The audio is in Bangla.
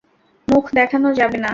মুখ দেখানো যাবে না।